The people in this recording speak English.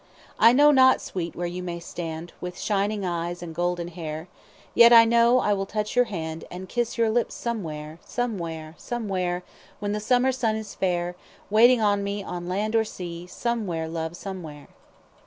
I know not, sweet, where you may stand, With shining eyes and golden hair, Yet I know, I will touch your hand And kiss your lips somewhere Somewhere! Somewhere! When the summer sun is fair, Waiting me, on land or sea, Somewhere, love, somewhere!"